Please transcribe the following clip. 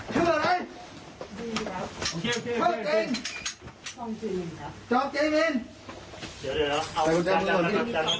ยืดขาอย่างนี้